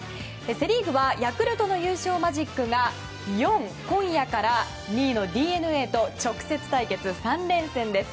セリーグはヤクルトの優勝マジック４今夜から２位のＤｅＮＡと直接対決、３連戦です。